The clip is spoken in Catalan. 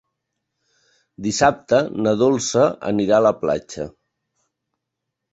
Dissabte na Dolça anirà a la platja.